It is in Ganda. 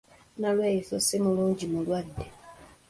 Nalweyiso si mulungi mulwadde.